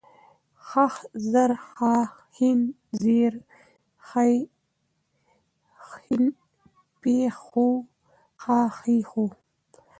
ښ زر ښا، ښېن زير ښې ، ښين پيښ ښو ، ښا ښې ښو